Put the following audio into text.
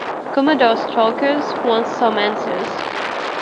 Commodore Stocker wants some answers.